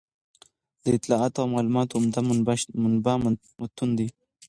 د اطلاعاتو او معلوماتو عمده منبع متون دي.